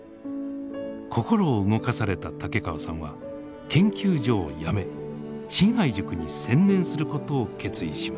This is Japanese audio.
心を動かされた竹川さんは研究所を辞め親愛塾に専念することを決意しました。